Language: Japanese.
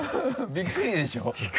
びっくりでしょ？